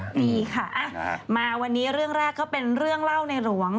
นี่ค่ะมาวันนี้เรื่องแรกก็เป็นเรื่องเล่าในหลวง